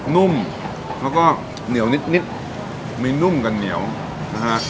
นุ่มแล้วก็เหนียวนิดนิดมีนุ่มกันเหนียวนะฮะ